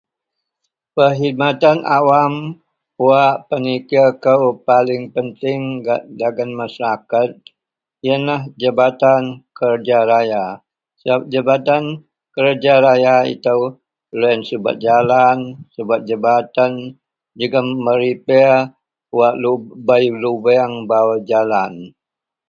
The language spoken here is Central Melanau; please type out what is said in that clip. perkhidmatan awam wak penikir kou paling penting gak dagen Masyarakat, ienlah jabatan kerja raya, sebab jabatan kerja raya itou, loyien subet jalan, subet jambatan jegum merepair wak lub bei lubeng baau jalan